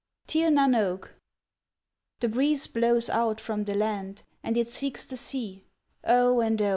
Tir Nan Og THE breeze blows out from the land and it seeks the sea, O and O!